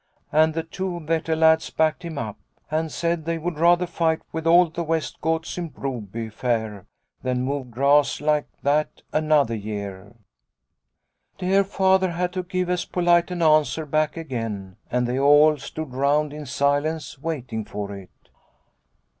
And the two Vetter lads backed him up and said they would rather fight with all the West Goths in Broby fair than mow grass like that another year. " Dear Father had to give as polite an answer back again, and they all stood round in silence, waiting for it.